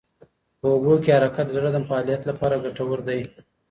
په اوبو کې حرکت د زړه د فعالیت لپاره ګټور دی.